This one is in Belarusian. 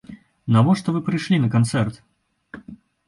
Навошта вы прыйшлі на канцэрт?